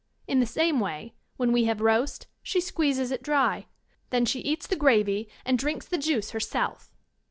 In the same way, when we have roast» she squeezes it dry. Then she eats the gravy and drinks the juice herself.